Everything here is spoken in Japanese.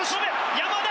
山田！